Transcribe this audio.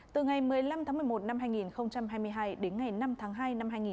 từ ngày một mươi năm tháng một mươi một năm hai nghìn hai mươi hai đến ngày năm tháng hai năm hai nghìn hai mươi